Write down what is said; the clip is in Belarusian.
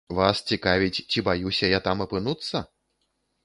Вас цікаваць ці баюся я там апынуцца?